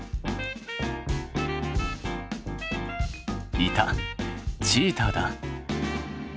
いたチーターだ！